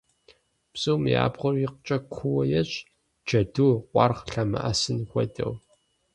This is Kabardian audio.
Бзум и абгъуэр икъукӏэ куууэ ещӏ, джэду, къуаргъ лъэмыӏэсын хуэдэу.